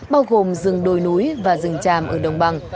bao gồm rừng đồi núi và rừng tràm ở đồng bằng